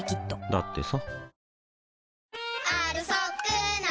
だってさ